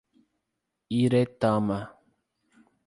Iretama